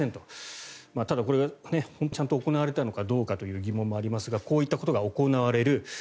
ただ、これが本当にちゃんと行われたのかどうかという疑問もありますがこういったことが行われる。